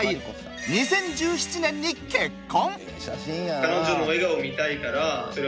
２０１７年に結婚。